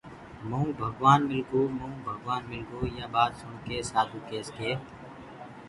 مئونٚ ڀگوآن مِلگو مئونٚ ڀگوآن مِلگو يآ ٻآت سُڻڪي سآڌوٚ ڪيس ڪي